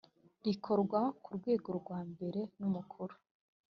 rikorwa ku rwego rwa mbere n umukuru